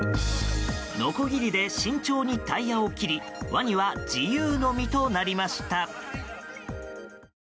のこぎりで慎重にタイヤを切りワニは自由の身となりました。